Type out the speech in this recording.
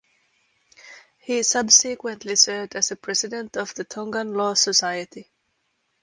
He subsequently served as President of the Tongan Law Society.